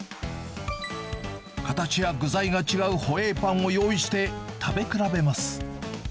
形や具材が違うホエイパンを用意して、食べ比べます。